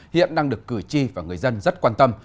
hiện đang được cử tri và người dân rất quan tâm